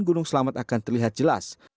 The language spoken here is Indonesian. gunung selamat akan terlihat jelas